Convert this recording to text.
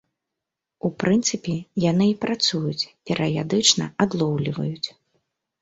У прынцыпе, яны і працуюць, перыядычна адлоўліваюць.